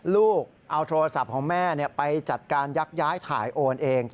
ลูกเอาโทรศัพท์ของแม่ไปจัดการยักย้ายถ่ายโอนเอง